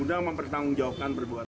untuk mempertanggungjawabkan perbuatan